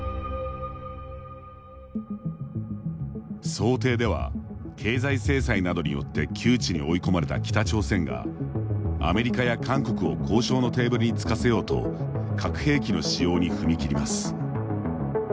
想定では、経済制裁などによって窮地に追い込まれた北朝鮮がアメリカや韓国を交渉のテーブルに付かせようと核兵器の使用に踏み切ります。